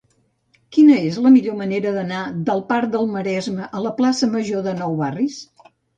Quina és la millor manera d'anar del parc del Maresme a la plaça Major de Nou Barris?